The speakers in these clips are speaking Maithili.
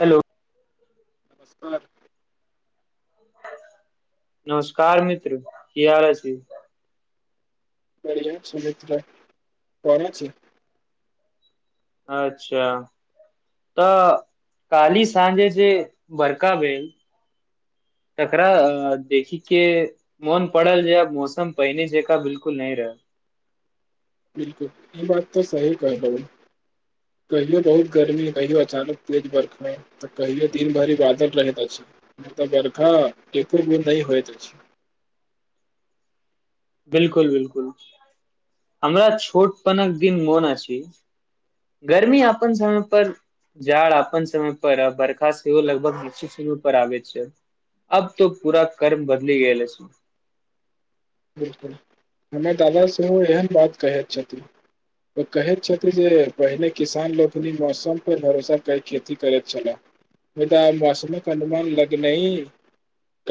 हेलो नमस्कार नमस्कार मित्र की हाल अछि बढ़िआँ छै मित्र [unintelligible] छै अच्छा तऽ काली साँझे से बड़का भेल तकरा देखि के मोन पड़ल जे मौसम पहिने जेका बिल्कुल नै रहल बिल्कुल ई बात तऽ सही कहै [unintelligible] कहियो बहुत गर्मी कहियो अचानक तेज बरखनाय तऽ कहियो दीन भरि बादल रहैत अछि नै तऽ बर्खा एको बेर नै होइत अछि बिल्कुल बिल्कुल हमरा छोट पनक दिन मोन अछी गर्मी अपन समय पर जाड़ अपन समय पर बरखा सेहो लगभग नि्चित समय पर आबै छै अब तो पूरा कर्म बदली गेल अछी बिल्कुल हमर दादा सेहो एहन बात कहैत छथि कहैत छथि जे पहिने किसान लोकनि मौसम पे भरोसा क खेती करैत छलए नहि तऽ मौसमक अनुमान लगैनाइ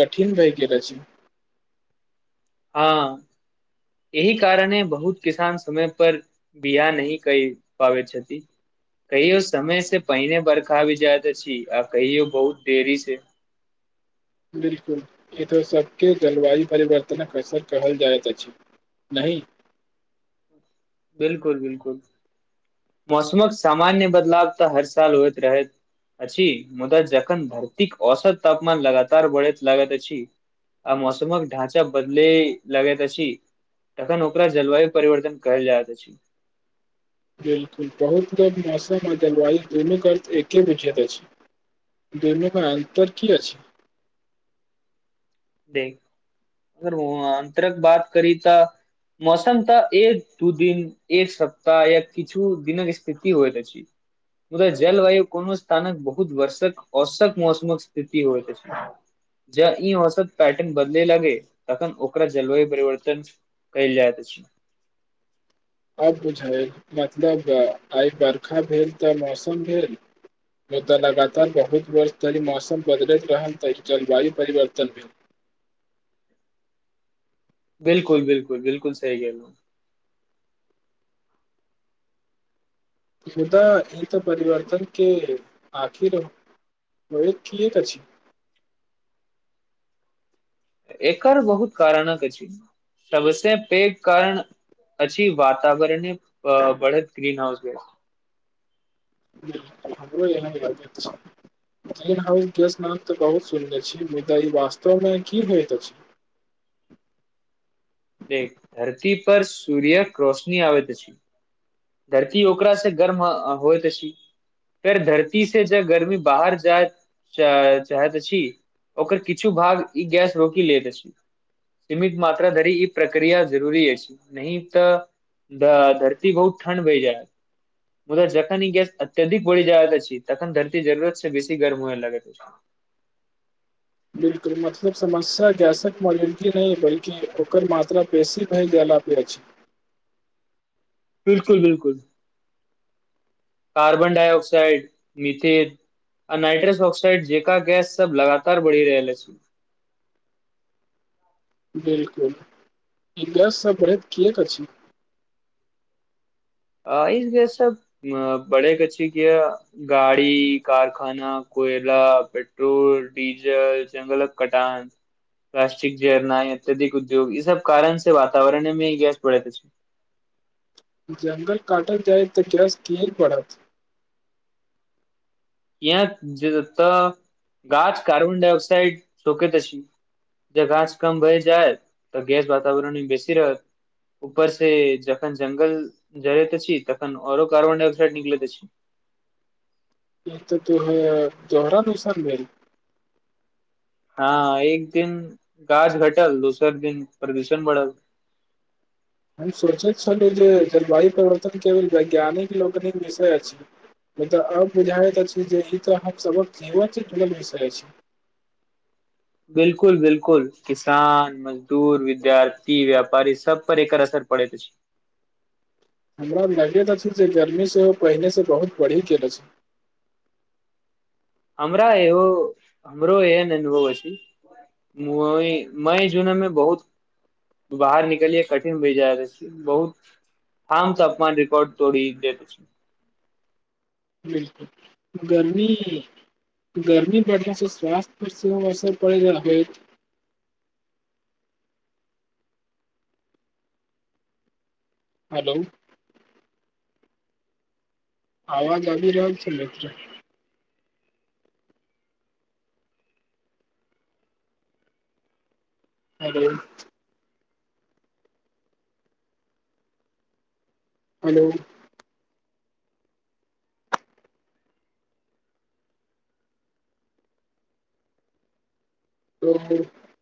कठिन भए गेल अछि हँ एहि कारणे बहुत किसान समय पर बिआह नहि करि पाबै छथि कहियो समय से पहिने बरखा आबि जाइत अछी आ कहियो बहुत देरी से बिल्कुल इ तऽ सबके जलवायु परिवर्तनक असर कहल जाइत अछि नहि बिल्कुल बिल्कुल मौसमक सामान्य बदलाव तऽ हर साल होइत रहैत अछि मुदा जखन धरतीक औसत तापमान लगातार बढ़ैत लागैत अछि आ मौसमक ढाँचा बदले लागैत अछि तखन ओकरा जलवायु परिवर्तन कहल जायत अछि बिल्कुल बहुत लोक मौसम आ जलवाय दुनूके अर्थ एके बुझैत अछि दुनू के अन्तर की अछि देख अगर अन्तरक बात करी तऽ मौसम तऽ एक दू दिन एक सप्ताह या किछु दिनक स्थिति होइत अछि मुदा जलवायु कोनो स्थानक बहुत वर्षक औसत मौसमक स्थिति होइत अछि जा ई औसत पैटर्न बदले लागैय तखन ओकरा जलवायु परिवर्तन कयल जाइत अछि। अब बुझाएल मतलब आइ बर्खा भेल तऽ मौसम भेल मुद्दा लगातार बहुत वर्ष धरि मौसम बदलैत रहल तऽ ई जलवायु परिवर्तन भेल बिल्कुल बिल्कुल बिल्कुल सही गेलहुँ मुदा ई तऽ परिवर्तन के आखिर ओ होइ किएक अछि एकर बहुत कारणक अछि सबसँ पैघ कारण अछि वातावरण बढ़ैत अ-ग्रीन हाउस भेल हमरो एना [inaudible] ग्रीन हाउस गेस्ट नाम तऽ बहुत सुनने छी मुदा ई वास्तवमे की होइत अछि। देख धरती पर सूर्यक रोशनी आबैत अछि। धरती ओकरा से गर्म आ- होइत अछि फेर धरती से जब गर्मी बाहर जाएत जाए जाएत अछि ओकर किछु भाग ई गैस रोकि लैत अछि सीमित मात्रा धरि ई प्रक्रिया जरूरी अछि नहि तऽ आ- धरती बहुत ठण्ड भइ जाएत मुदा जखन ई गैस अत्यधिक बढ़ जाएत अछि तखन धरती जरुरत स बेसी गरम होइ लागैत अछि बिल्कुल मतलब समस्या गैसक मोलेंटी नहि बल्कि ओकर मात्रा बेसी भए गेला पे अछि। बिल्कुल बिल्कुल कार्बन डाइऑक्साइड मिथेल आ नाइट्रस ऑकसाड जेका गैस सब लगातार बढ़ि रहल अछि बिल्कुल ई गैस सब बढैत कियऽक अछि आ इ गैस सब बढ़ैत अछि कियाऽ गाड़ी, कारखाना, कोयला, पेट्रोल, डीजल, जंगलक कटान प्लास्टिक जड़नाइ अत्यधिक उद्योग ई सब कारण से वातावरण मे गैस बढ़ैत अछि ऊ जंगल काटल जाइतऽ गैस किया ने बढत यैह जतऽ गाछ कार्बन डायऑक्सइड रोकैत अछि जे गाछ कम भइ जाइ तऽ गैस वातावरण में बेसी रहत ऊपर से जखन जंगल जड़ैत अछि तखन आओरो कार्बन डाइऑक्साइड निकलैत अछि ई तऽ कि होएय दोहरा नुकसान भेल हँ एक दिन गाछ घटल दोसर दिन प्रदूषण बढ़ल हम सोचईत छलीह जे जलवायु प्रवर्तन केवल वैज्ञानिक लौगनिक विषय अछि। मुद्दा आब बुझाइत अछि जे ई तऽ हम सभक जीवन से जुड़ल विषय अछि बिलकुल-बिलकुल किसान मजदूर विद्यार्थी व्यापारी सब पर एकर असर पड़ेत अछि हमरा लगेत अछि जे गर्मी सेहो पहिने से बहुत बढ़ी गेल अछि हमरा एहो हमरो एहन अनुभव अछि मुउई मई जनमे बहुत बाहर निकलियए कठिन भऽ जायत अछि बहुत हम तऽ अपना रेिकॉर्ड तोड़ी देल अछि [inaudible] बिलकुल गर्मी [inaudible] गर्मी बढ़लासँ स्वास्थ्य पर सेहो असर पड़ी रह गेल हैलो आवाज आबि रहल छलय एकटा [inaudible] [inaudible] हेलो हलो [inaudible]